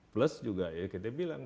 plus juga ya kita bilang